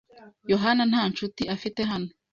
Yohana nta nshuti afite hano.